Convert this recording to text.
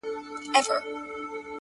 سیاه پوسي ده؛ دا دی لا خاندي؛